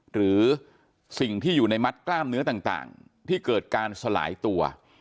หรือสิ่งที่อยู่ในมัดกล้ามเนื้อต่างที่เกิดการสลายตัว